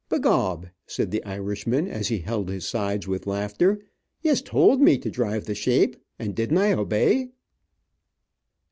"Be gob," said the Irishman, as he held his sides with laughter, "yez towld me to drive the shape, and didn't I obey?"